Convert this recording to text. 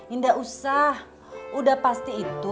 indah usah udah pasti itu